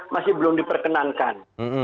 masih belum diperkenankan